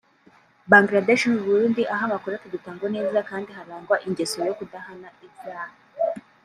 Bangladesh n'Uburundi aho amakuru atagitangwa neza kandi harangwa ingeso yo kudahana ivyaha